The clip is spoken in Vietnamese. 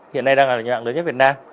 hiện nay đang là những mạng lớn nhất việt nam